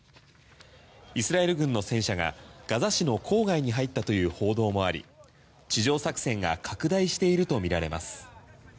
イスラエル軍の戦車がガザ市の郊外に入ったという報道もあり地上作戦が拡大しているとみられます。